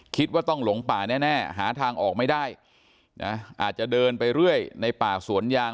คิดว่าต้องหลงป่าแน่หาทางออกไม่ได้นะอาจจะเดินไปเรื่อยในป่าสวนยาง